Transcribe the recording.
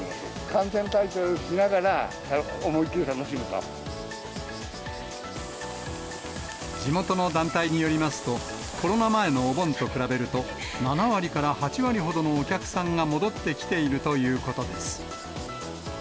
感染対策をしながら、地元の団体によりますと、コロナ前のお盆と比べると、７割から８割ほどのお客さんが戻ってきているということです。